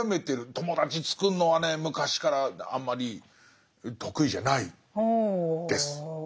友達つくるのはね昔からあんまり得意じゃないです。